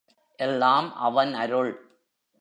எல்லாம் அவன் அருள்!